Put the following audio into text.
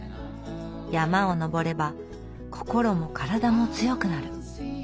山を登れば心も体も強くなる。